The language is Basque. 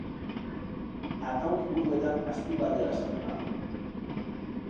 Ataun inguruetan azti bat dela esaten da.